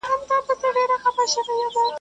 اوښ تې ويل الغبندي وکه، ده ول، په کمو لاسو.